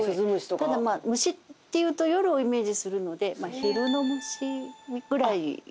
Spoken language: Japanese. ただまあ虫っていうと夜をイメージするので昼の虫ぐらいで。